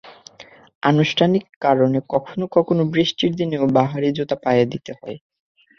আনুষ্ঠানিক কারণে কখনো কখনো বৃষ্টির দিনেও বাহারি জুতা পায়ে দিতে হয়।